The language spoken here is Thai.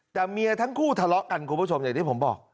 แต่เมียทั้งคู่ทะเลาะกันคุณผู้ชมอย่างที่ผมบอก